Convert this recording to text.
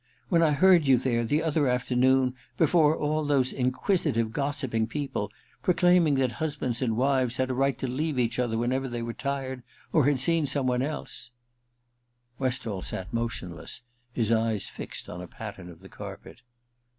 When I heard you there, the other afternoon, before all those inquisitive gossiping people, proclaiming that husbands and wives had a right to leave each other whenever they were tired — or had seen some one els e 2i6 THE RECKONING ii Westall sat motionless, his eyes fixed on a pattern of the carpet.